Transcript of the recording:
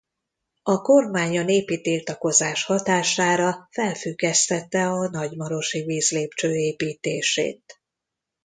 A kormány a népi tiltakozás hatására felfüggesztette a nagymarosi vízlépcső építését.